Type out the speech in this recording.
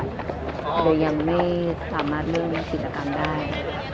เดี๋ยวยังไม่สามารถเริ่มเริ่มกิจกรรมได้